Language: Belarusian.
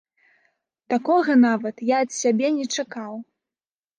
Такога нават я ад сябе не чакаў!